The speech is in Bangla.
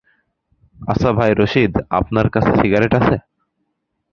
আচ্ছা ভাই রশিদ, আপনার কাছে সিগারেট আছে?